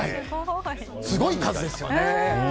すごい数ですよね。